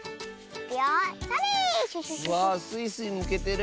わあスイスイむけてる。